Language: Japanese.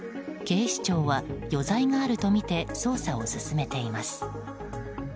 警視庁は余罪があるとみて捜査を進めています。